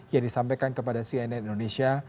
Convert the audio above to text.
yang disampaikan kepada cnn indonesia